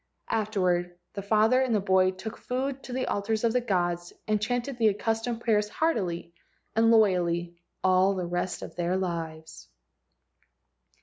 Afterward the father and the boy took food to the altars of the gods, and chanted the accus¬ tomed prayers heartily and loyally all the rest of their lives.